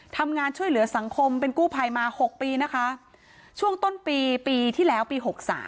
ทำงานช่วยเหลือสังคมเป็นกู้ภัยมา๖ปีนะคะช่วงต้นปีปีที่แล้วปี๖๓